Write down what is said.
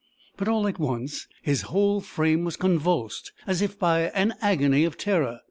But all at once, his whole frame was convulsed, as if by an agony of terror.